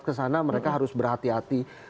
ke sana mereka harus berhati hati